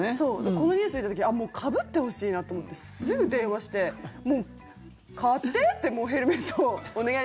このニュース聞いた時もうかぶってほしいなと思ってすぐ電話して、買って！ってヘルメットをお願い